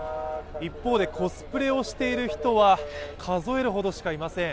一方でコスプレをしている人は数えるほどしかいません。